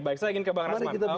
baik saya ingin ke bang rasman